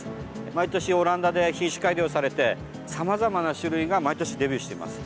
毎年オランダで品種改良されてさまざまな種類が毎年デビューしています。